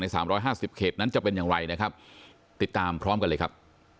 สามร้อยห้าสิบเขตนั้นจะเป็นอย่างไรนะครับติดตามพร้อมกันเลยครับ